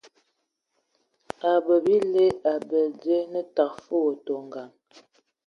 A a abəbə a ele abəl dzie naa tǝgə fəg ai tɔ ngǝŋ.